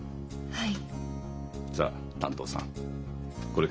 はい。